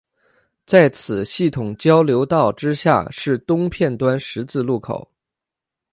在此系统交流道之下是东片端十字路口。